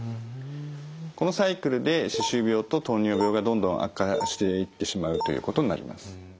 このサイクルで歯周病と糖尿病がどんどん悪化していってしまうということになります。